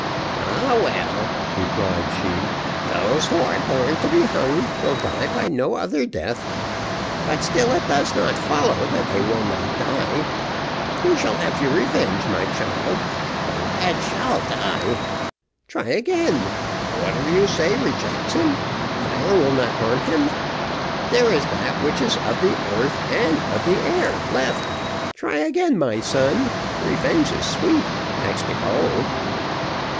"Ah, well," replied she, "those who are born to be hung will die by no other death; but still it does not follow that they will not die. You shall have your revenge, my child. The lad shall die. Try again; water, you say, rejects him? Fire will not harm him. There is that which is of the earth and of the air left. Try again, my son; revenge is sweet, next to gold."